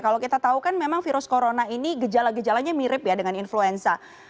kalau kita tahu kan memang virus corona ini gejala gejalanya mirip ya dengan influenza